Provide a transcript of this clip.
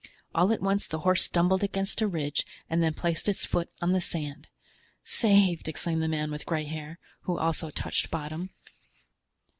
All at once the horse stumbled against a ridge and then placed its foot on the sand. "Saved!" exclaimed the man with gray hair, who also touched bottom.